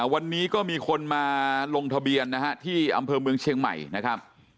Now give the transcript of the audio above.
วันนี้ก็มีคนมาลงทะเบียนนะฮะที่อำเภอเมืองเชียงใหม่นะครับ